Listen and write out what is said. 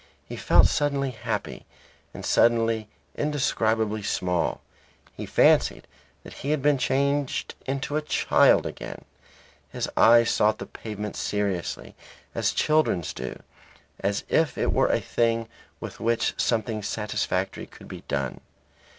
He felt suddenly happy and suddenly indescribably small. He fancied he had been changed into a child again; his eyes sought the pavement seriously as children's do, as if it were a thing with which something satisfactory could be done.